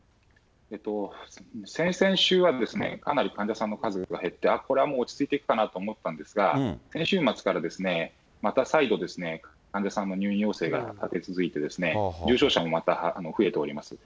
先々週はかなり患者さんの数が減って、これはもう落ち着いていくかなと思ったんですが、先週末からまた再度、患者さんの入院要請が立て続いて、重症者もまた増えています。